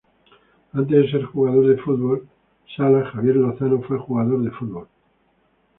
Antes de ser jugador de fútbol sala, Javier Lozano fue jugador de fútbol.